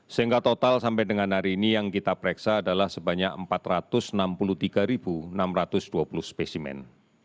sehingga total sampai dengan hari ini yang kita pereksa adalah sebanyak empat ratus enam puluh tiga enam ratus dua puluh spesimen